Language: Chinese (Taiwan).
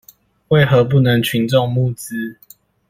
為何不能群眾募資？